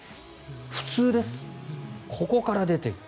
普通です、ここから出ている。